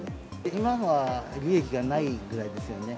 今は利益がないぐらいですよね。